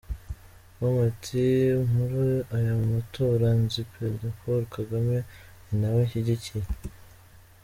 com ati”Muri aya matora nzi Perezida Kagame Paul ni nawe nshyigikiye.